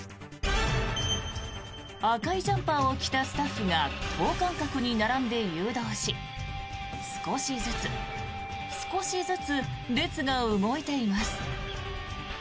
赤いジャンパーを着たスタッフが等間隔に並んで誘導し少しずつ、少しずつ列が動いています。